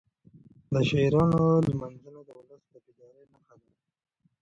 د شاعرانو لمانځنه د ولس د بیدارۍ نښه ده.